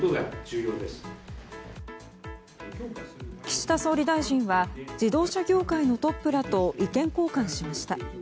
岸田総理大臣は自動車業界のトップらと意見交換しました。